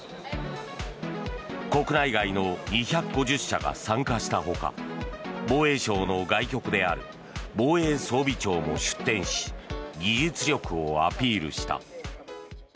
国内外の２５０社が参加した他防衛省の外局である防衛装備庁も出展し技術力をアピールした。